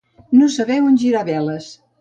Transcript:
No saber on girar veles.